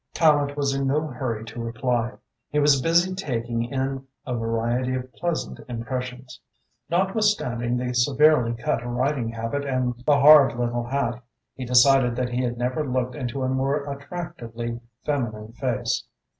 Tallente was in no hurry to reply. He was busy taking in a variety of pleasant impressions. Notwithstanding the severely cut riding habit and the hard little hat, he decided that he had never looked into a more attractively feminine face.